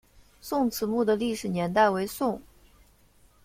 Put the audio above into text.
宋慈墓的历史年代为宋。